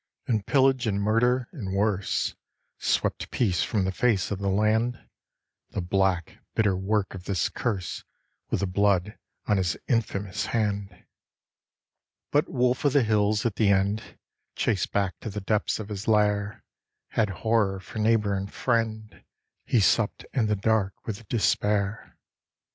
And pillage and murder, and worse, swept peace from the face of the land The black, bitter work of this curse with the blood on his infamous hand. But wolf of the hills at the end chased back to the depths of his lair Had horror for neighbour and friend he supped in the dark with despair.